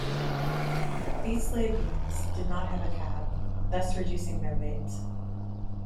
These slave units did not have a cab, thus reducing their weight.